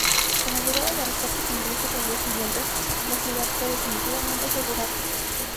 Con la llegada de refuerzos ingleses al día siguiente, la ciudad fue definitivamente asegurada.